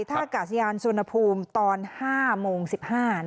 ท่ากาศยานสุนภูมิตอน๕๑๕ตอนเย็น